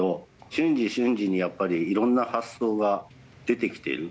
瞬時、瞬時にいろんな発想が出てきてる。